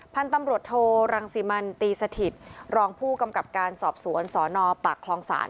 พันธุ์ตำรวจโทรังสิมันตีสถิตรองผู้กำกับการสอบสวนสนปากคลองศาล